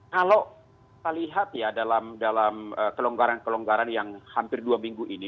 kalau kita lihat ya dalam kelonggaran kelonggaran yang hampir dua minggu ini